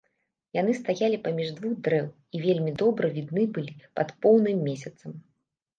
Яны стаялі паміж двух дрэў і вельмі добра відны былі пад поўным месяцам.